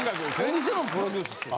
お店もプロデュースしてる。